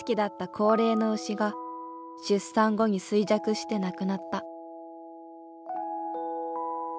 高齢の牛が出産後に衰弱して亡くなった。